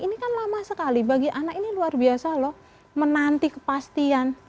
ini kan lama sekali bagi anak ini luar biasa loh menanti kepastian